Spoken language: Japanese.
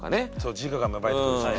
自我が芽生えてくるしね。